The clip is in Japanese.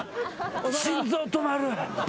心臓止まる。